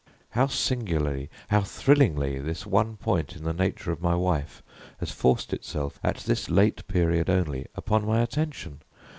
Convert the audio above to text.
How singularly how thrillingly, this one point in the nature of my wife has forced itself, at this late period only, upon my attention!